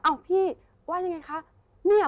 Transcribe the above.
อ้าวพี่ว่าอย่างไรคะ